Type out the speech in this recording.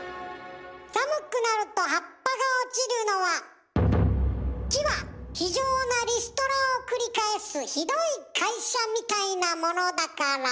寒くなると葉っぱが落ちるのは木は非情なリストラを繰り返すひどい会社みたいなものだから！